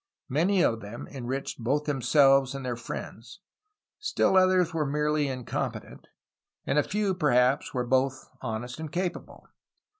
Many of them enriched both themselves and their friends; still others were merely incompetent; and a few, perhaps, were both honest and capable.